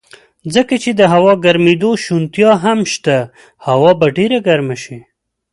ځکه چې د هوا ګرمېدو شونتیا هم شته، هوا به ډېره ګرمه شي.